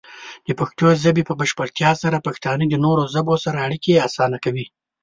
د پښتو ژبې په بشپړتیا سره، پښتانه د نورو ژبو سره اړیکې اسانه کوي.